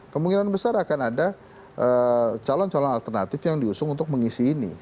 kemungkinan besar akan ada calon calon alternatif yang diusung untuk mengisi ini